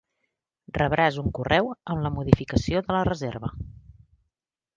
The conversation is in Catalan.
Rebràs un correu amb la modificació de la reserva.